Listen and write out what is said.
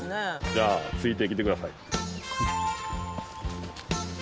じゃあついてきてください。